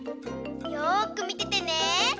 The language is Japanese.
よくみててね。